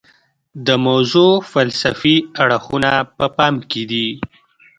د موضوع فلسفي اړخونه په پام کې دي.